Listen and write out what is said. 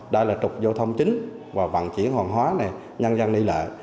đây là trục dâu thông chính và vận chuyển hoàn hóa này nhân dân đi lệ